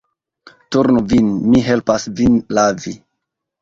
Turnu vin, mi helpas vin lavi.